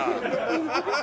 ハハハハ！